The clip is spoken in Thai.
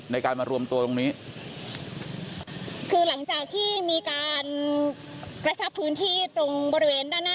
ในการมารวมตัวตรงนี้คือหลังจากที่มีการกระชับพื้นที่ตรงบริเวณด้านหน้า